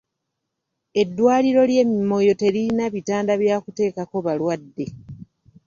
Eddwaliro ly'e Moyo teririna bitanda bya kuteekako balwadde.